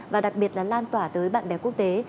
và đặc biệt là lan tỏa tới bạn bè quốc tế